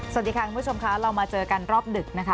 สวัสดีค่ะคุณผู้ชมค่ะเรามาเจอกันรอบดึกนะคะ